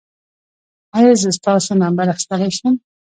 ایا زه ستاسو نمبر اخیستلی شم؟